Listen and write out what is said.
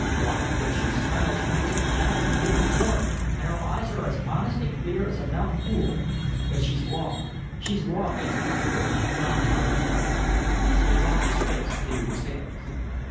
Why, when she smiles she makes you glad and good and warm, and her eyes are as honest and clear as a mountain pool, but she's wrong she's wrong and great God! how I love her!" He dropped his face into his hands.